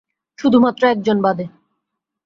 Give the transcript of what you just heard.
শুধুমাত্র একজন বাদে।